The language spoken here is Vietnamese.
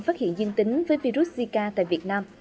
phát hiện dương tính với virus zika tại việt nam